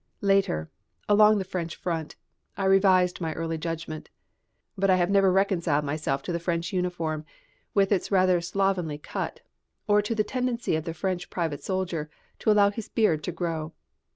Later, along the French front, I revised my early judgment. But I have never reconciled myself to the French uniform, with its rather slovenly cut, or to the tendency of the French private soldier to allow his beard to grow.